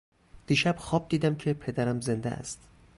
دیشب خواب دیدم که پدرم زنده است.